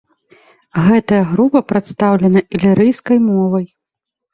Гэтая група прадстаўлена ілірыйскай мовай.